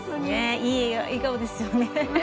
いい笑顔ですよね。